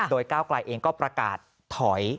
โดยก้าวกลายเองก็ประกาศถอย